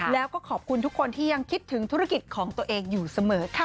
แล้วก็ขอบคุณทุกคนที่ยังคิดถึงธุรกิจของตัวเองอยู่เสมอค่ะ